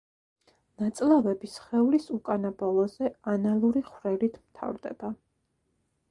ნაწლავები სხეულის უკანა ბოლოზე ანალური ხვრელით მთავრდება.